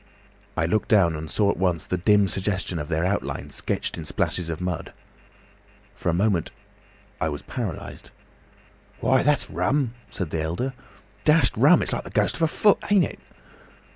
I looked down and saw at once the dim suggestion of their outline sketched in splashes of mud. For a moment I was paralysed. "'Why, that's rum,' said the elder. 'Dashed rum! It's just like the ghost of a foot, ain't it?